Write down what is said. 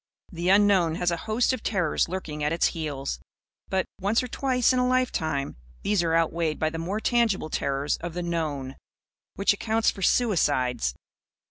The Unknown has a host of terrors lurking at its heels. But, once or twice in a lifetime, these are outweighed by the more tangible terrors of the Known. Which accounts for suicides.